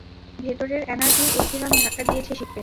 ভেতরের এনার্জির উদগীরণ ধাক্কা দিয়েছে শিপে!